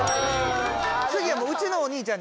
次はうちのお兄ちゃん。